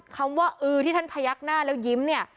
คำว่าอือที่ท่านพยักหน้าแล้วยิ้มเนี่ย